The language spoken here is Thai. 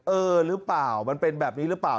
เออหรือเปล่ามันเป็นแบบนี้หรือเปล่า